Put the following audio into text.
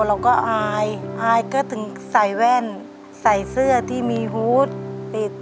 เราก็อายอายก็ถึงใส่แว่นใส่เสื้อที่มีฮูตติด